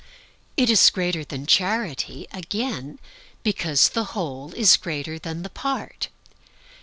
It is greater than charity, again, because the whole is greater than a part.